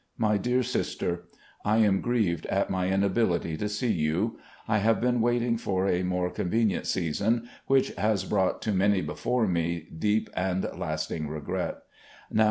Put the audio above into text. My Dear Sister: I am grieved at my inability to see you. ... I have been waiting for a 'more con venient season,' which has brought to many before me s6 RECOLLECTIONS OP GENERAL LEE deep and lasting regret.